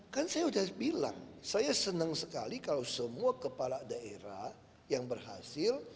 kan saya sudah bilang saya senang sekali kalau semua kepala daerah yang berhasil